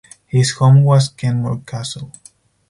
His home was Kenmure Castle.